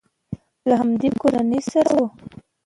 له همدې کورنۍ سره وي.